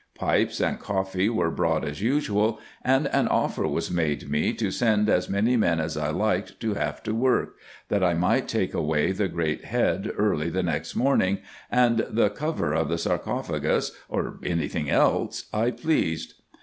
Pipes and coffee were brought as usual ; and an offer was made me, to send as many men as I liked to have to work, that I might take away the great head early the next morning, and the cover of the sarcophagus, or any thing else I pleased.